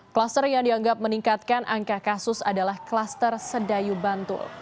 kluster yang dianggap meningkatkan angka kasus adalah kluster sedayu bantul